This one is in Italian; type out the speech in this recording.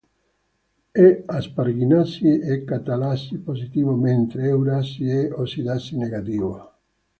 È asparginasi e catalasi positivo mentre è urasi e ossidasi negativo.